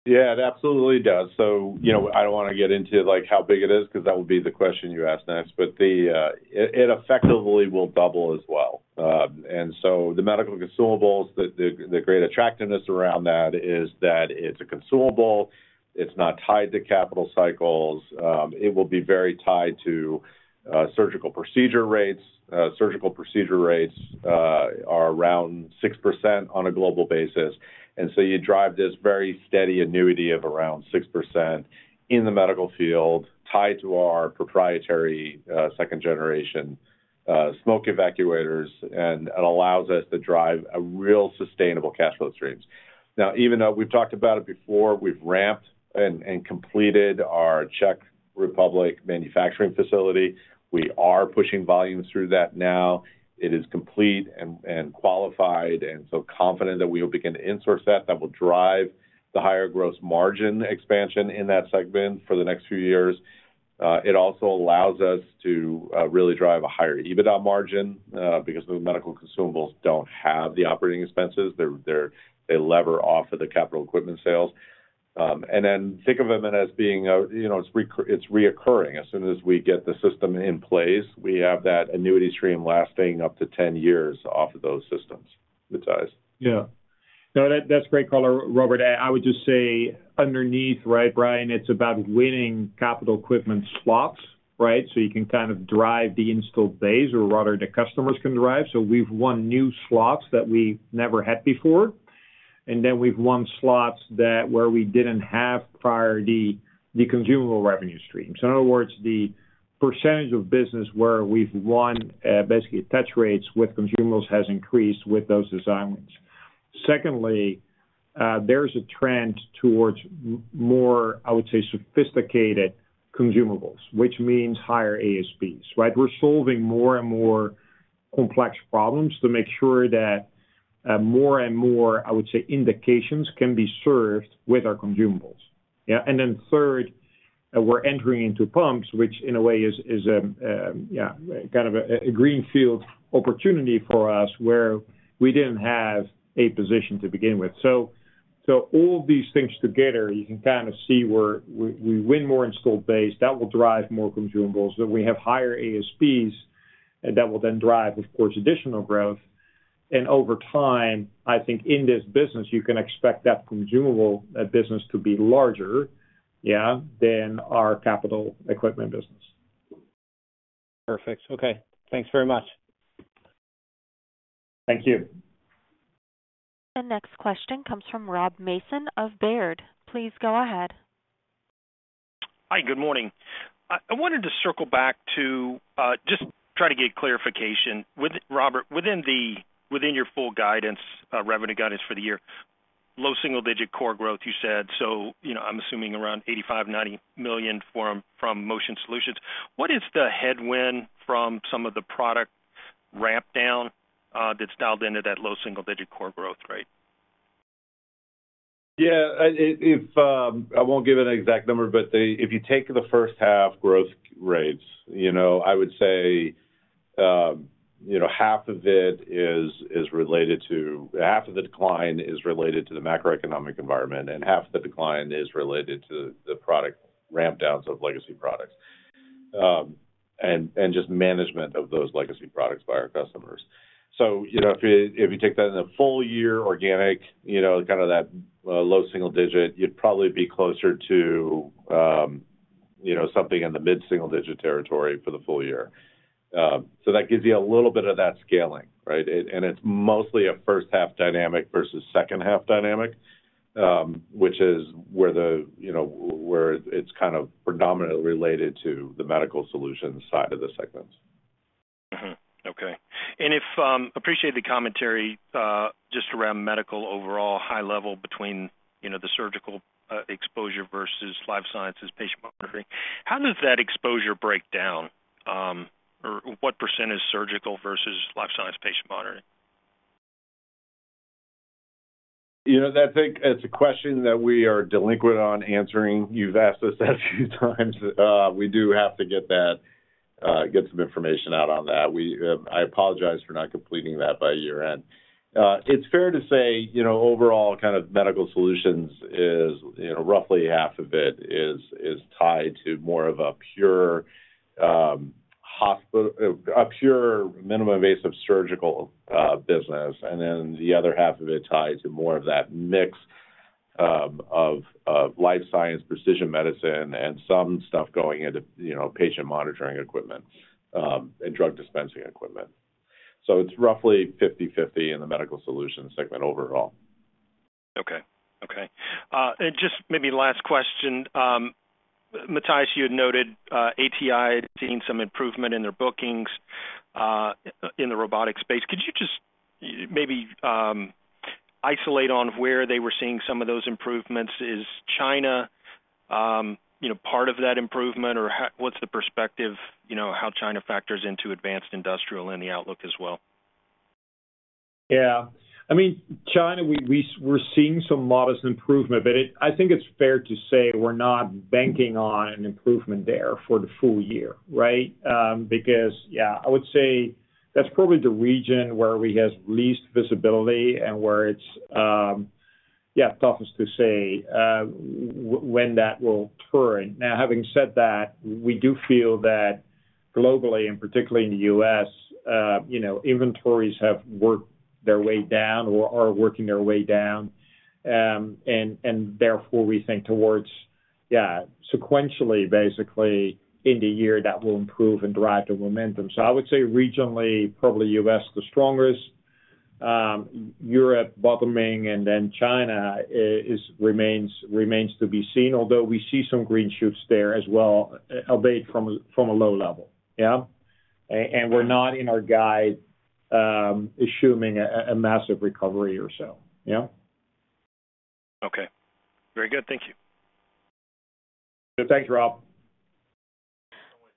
Yeah, it absolutely does. So I don't want to get into how big it is because that would be the question you asked next. But it effectively will double as well. And so the medical consumables, the great attractiveness around that is that it's a consumable. It's not tied to capital cycles. It will be very tied to surgical procedure rates. Surgical procedure rates are around 6% on a global basis. And so you drive this very steady annuity of around 6% in the medical field tied to our proprietary second-generation smoke evacuators, and it allows us to drive real sustainable cash flow streams. Now, even though we've talked about it before, we've ramped and completed our Czech Republic manufacturing facility. We are pushing volume through that now. It is complete and qualified and so confident that we will begin to insource that. That will drive the higher gross margin expansion in that segment for the next few years. It also allows us to really drive a higher EBITDA margin because the medical consumables don't have the operating expenses. They leverage off of the capital equipment sales. And then think of them as being. It's recurring. As soon as we get the system in place, we have that annuity stream lasting up to 10 years off of those systems, Matthijs. Yeah. No, that's great, color, Robert. I would just say underneath, right, Brian, it's about winning capital equipment slots, right? So you can kind of drive the installed base or rather the customers can drive. So we've won new slots that we never had before. And then we've won slots where we didn't have priority consumable revenue streams. In other words, the percentage of business where we've won basically touch rates with consumables has increased with those design wins. Secondly, there's a trend towards more, I would say, sophisticated consumables, which means higher ASPs, right? We're solving more and more complex problems to make sure that more and more, I would say, indications can be served with our consumables. Yeah. And then third, we're entering into pumps, which in a way is kind of a greenfield opportunity for us where we didn't have a position to begin with. So all these things together, you can kind of see where we win more installed base. That will drive more consumables. We have higher ASPs, and that will then drive, of course, additional growth. And over time, I think in this business, you can expect that consumable business to be larger, yeah, than our capital equipment business. Perfect. Okay. Thanks very much. Thank you. The next question comes from Rob Mason of Baird. Please go ahead. Hi. Good morning. I wanted to circle back to just try to get clarification. Robert, within your full revenue guidance for the year, low single-digit core growth, you said, so I'm assuming around $85 million-$90 million from Motion Solutions. What is the headwind from some of the product rampdown that's dialed into that low single-digit core growth, right? Yeah. I won't give an exact number, but if you take the first half growth rates, I would say half of it is related to, half of the decline is related to the macroeconomic environment, and half of the decline is related to the product rampdowns of legacy products and just management of those legacy products by our customers. So if you take that in the full year, organic, kind of that low single-digit, you'd probably be closer to something in the mid-single digit territory for the full year. So that gives you a little bit of that scaling, right? And it's mostly a first-half dynamic versus second-half dynamic, which is where it's kind of predominantly related to the medical solutions side of the segments. Okay. And appreciate the commentary just around medical overall high level between the surgical exposure versus life sciences patient monitoring. How does that exposure break down? Or what percent is surgical versus life science patient monitoring? I think it's a question that we are delinquent on answering. You've asked us that a few times. We do have to get some information out on that. I apologize for not completing that by year-end. It's fair to say overall kind of medical solutions is roughly half of it is tied to more of a pure minimally invasive surgical business, and then the other half of it tied to more of that mix of life science, precision medicine, and some stuff going into patient monitoring equipment and drug dispensing equipment. So it's roughly 50/50 in the medical solutions segment overall. Okay. Okay. And just maybe last question. Matthijs, you had noted ATI seeing some improvement in their bookings in the robotics space. Could you just maybe isolate on where they were seeing some of those improvements? Is China part of that improvement, or what's the perspective how China factors into advanced industrial in the outlook as well? Yeah. I mean, China, we're seeing some modest improvement, but I think it's fair to say we're not banking on an improvement there for the full year, right? Because, yeah, I would say that's probably the region where we have least visibility and where it's, yeah, toughest to say when that will turn. Now, having said that, we do feel that globally, and particularly in the U.S., inventories have worked their way down or are working their way down. And therefore, we think towards, yeah, sequentially, basically, in the year, that will improve and drive the momentum. So I would say regionally, probably U.S. the strongest, Europe bottoming, and then China remains to be seen, although we see some green shoots there as well, albeit from a low level. Yeah. And we're not in our guide assuming a massive recovery or so. Yeah. Okay. Very good. Thank you. Thanks, Rob.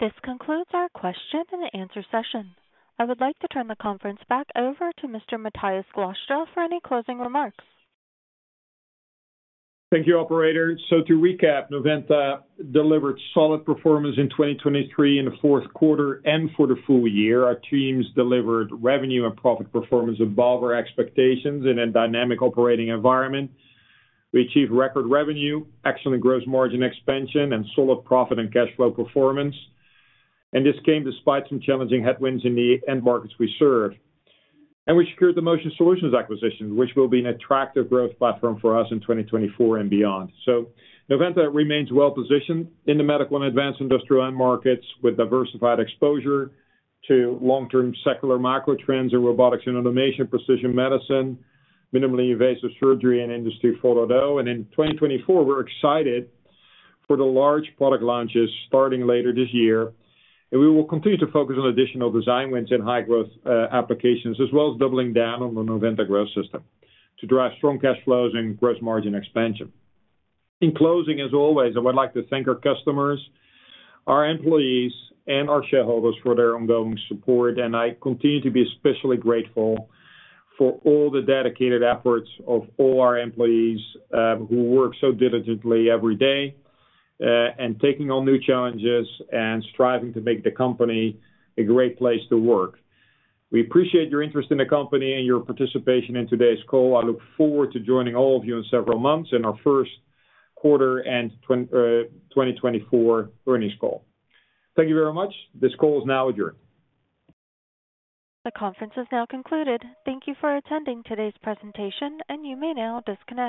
This concludes our question and answer session. I would like to turn the conference back over to Mr. Matthijs Glastra for any closing remarks. Thank you, operator. So to recap, Novanta delivered solid performance in 2023 in the fourth quarter and for the full year. Our teams delivered revenue and profit performance above our expectations in a dynamic operating environment. We achieved record revenue, excellent gross margin expansion, and solid profit and cash flow performance. This came despite some challenging headwinds in the end markets we serve. We secured the Motion Solutions acquisition, which will be an attractive growth platform for us in 2024 and beyond. So Novanta remains well-positioned in the medical and advanced industrial end markets with diversified exposure to long-term secular macro trends in robotics and minimally invasive surgery, and Industry 4.0. In 2024, we're excited for the large product launches starting later this year. We will continue to focus on additional design wins and high-growth applications, as well as doubling down on the Novanta Growth System to drive strong cash flows and gross margin expansion. In closing, as always, I would like to thank our customers, our employees, and our shareholders for their ongoing support. I continue to be especially grateful for all the dedicated efforts of all our employees who work so diligently every day and taking on new challenges and striving to make the company a great place to work. We appreciate your interest in the company and your participation in today's call. I look forward to joining all of you in several months in our first quarter and 2024 earnings call. Thank you very much. This call is now adjourned. The conference has now concluded. Thank you for attending today's presentation, and you may now disconnect.